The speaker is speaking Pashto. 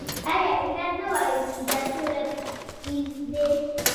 آیا ایران نه وايي چې دا سوله ییز دی؟